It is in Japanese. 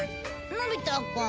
のび太くん。